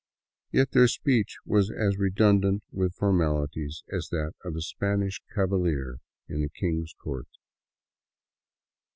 Yet their speech was as redundant with formalities as that of a Spanish cavalier in the king's court.